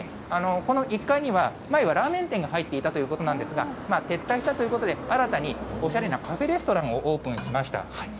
この１階には、前はラーメン店が入っていたということなんですが、撤退したということで、新たにおしゃれなカフェレストランをオープンしました。